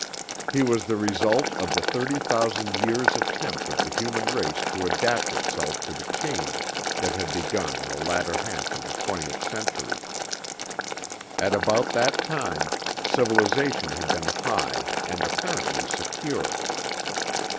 He was the result of the thirty thousand years' attempt of the human race to adapt itself to the change that had begun in the latter half of the twentieth century. At about that time, civilization had been high, and apparently secure.